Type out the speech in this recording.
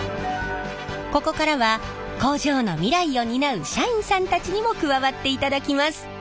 ここからは工場の未来を担う社員さんたちにも加わっていただきます。